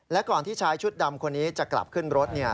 และก่อนที่ชายชุดดำคนนี้จะกลับขึ้นรถ